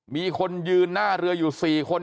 มีคนยืนหน้าเรืออยู่๔คน